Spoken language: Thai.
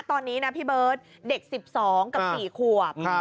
ตอนนี้นะพี่เบิร์ตเด็ก๑๒กับ๔ขวบ